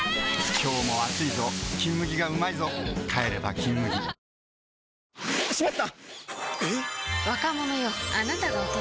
今日も暑いぞ「金麦」がうまいぞ帰れば「金麦」いらっしゃいませ！